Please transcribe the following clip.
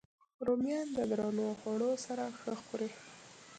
رومیان د درنو خوړو سره ښه خوري